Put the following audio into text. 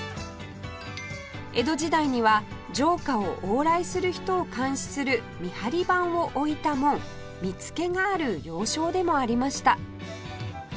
江戸時代には城下を往来する人を監視する見張り番を置いた門「見附」がある要衝でもありました